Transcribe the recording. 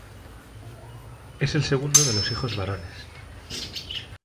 Es el segundo de los hijos varones.